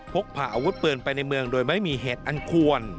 พกพาอาวุธปืนไปในเมืองโดยไม่มีเหตุอันควร